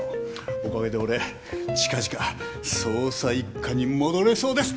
おかげで俺近々捜査一課に戻れそうです！